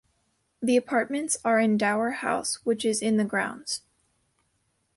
The apartments are in Dower House which is in the grounds.